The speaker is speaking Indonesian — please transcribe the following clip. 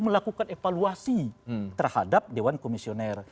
melakukan evaluasi terhadap dewan komisioner